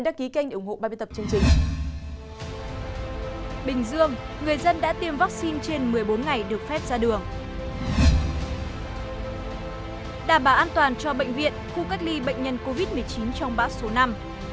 đảm bảo an toàn cho bệnh viện khu cách ly bệnh nhân covid một mươi chín trong bão số năm